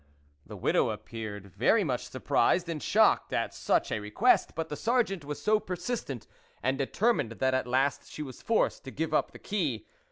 The widow appeared very much surprised and shocked at such a re quest, but the Sergeant was so persistent and determined that at last she was forced to give up the key.